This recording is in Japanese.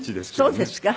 そうですか。